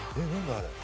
あれ。